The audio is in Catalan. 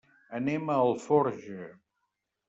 Anem a Alforja.